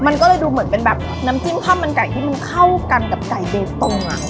มันก็เลยดูเหมือนเป็นแบบน้ำจิ้มข้าวมันไก่ที่มันเข้ากันกับไก่เบตง